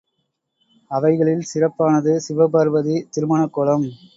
அவைகளில் சிறப்பானது சிவபார்வதி திருமணக் கோலம்.